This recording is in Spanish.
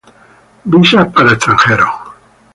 Visas para extranjeros